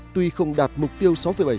tuy không đạt mục tiêu sáu bảy